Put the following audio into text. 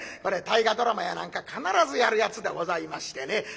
これ「大河ドラマ」や何か必ずやるやつでございましてね。